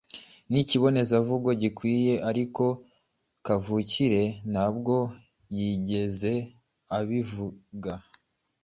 Ni ikibonezamvugo gikwiye, ariko kavukire ntabwo yigeze abivuga.